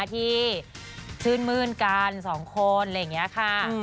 ที่ชื่นมื้นกันสองคนอะไรอย่างนี้ค่ะ